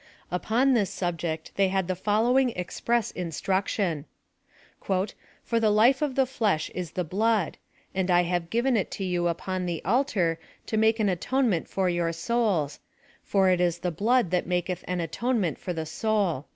PLAN OP SA.LVATION. 109 Upon this subject they had the following express instruction —" For the life of the flesh is the blood ; and I have given it to you upon the altar to make an atonement for your souls : for it is the blood that maketh an atonement for the soul."